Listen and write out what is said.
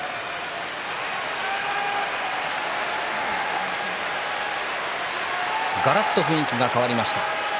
拍手がらっと雰囲気が変わりました。